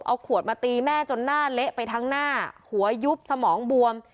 เอาขวดมาตีแม่จนหน้าเละไปทั้งหน้าหัวยุบสมองบวม